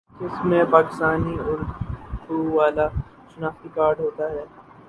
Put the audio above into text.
جس میں پاکستانی اردو والا شناختی کارڈ ہوتا ہے